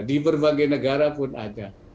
di berbagai negara pun ada